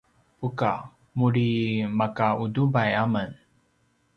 buka: muri maka utubai amen